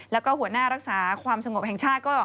แล้วก็หัวหน้ารักษาความสงบแห่งชาติก็